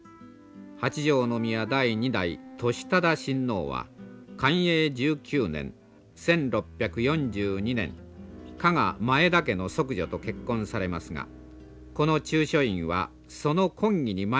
八条宮第二代智忠親王は寛永１９年１６４２年加賀前田家の息女と結婚されますがこの中書院はその婚儀に間に合うよう造営されたものであろうといわれます。